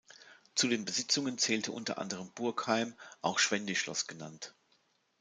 Zu den Besitzungen zählte unter anderem Burkheim, auch Schwendi-Schloss genannt.